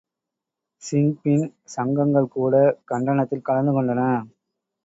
Sinn Féin சங்கங்கள் கூடக் கண்டனத்தில் கலந்து கொண்டன.